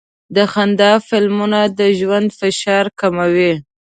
د خندا فلمونه د ژوند فشار کموي.